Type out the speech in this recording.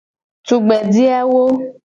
Tugbeje awo.